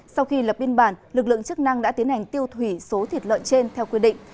sau khi lập biên bản lực lượng chức năng đã tiến hành tiêu thủy số thịt lợn trên theo quy định